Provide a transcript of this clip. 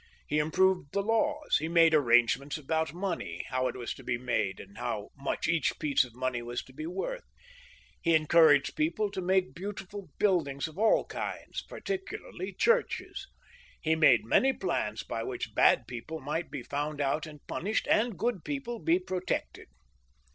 He improved the laws ; he made arrangements about money, how it was to be made and how much each piece of money was to be worth ; he encouraged people to make beautiful buildings of all kinds, particularly churches ; he made many plans by which bad people might be found out and punished, and good people be protected.